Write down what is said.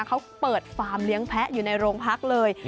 เขาเปิดฟาร์มเลี้ยงแพ้อยู่ในโรงพักเลย